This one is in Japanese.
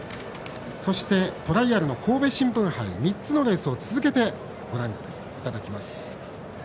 そして、トライアルの神戸新聞杯３つのレースを続けてご覧いただきます。